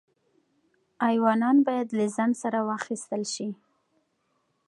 ایوانان باید له ځان سره واخیستل شي.